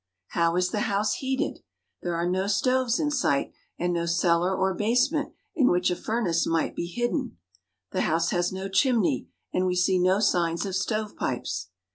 How is the house heated ? There are no stoves in sight, and no cellar or basement in which a furnace might be hidden. The house has no chimney, and we see no signs of stovepipes.